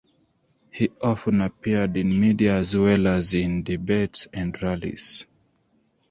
He often appeared in media as well as in debates and rallies.